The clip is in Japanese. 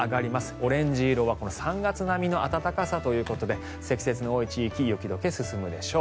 オレンジ色は３月並みの暖かさということで積雪の多い地域雪解け進むでしょう。